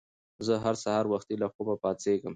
زه هر سهار وختي له خوبه پاڅېږم